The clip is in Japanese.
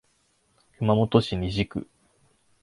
熊本市西区